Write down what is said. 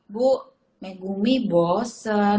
bu megumi bosen